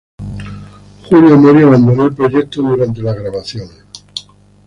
Julio Mori abandonó el proyecto durante las grabaciones.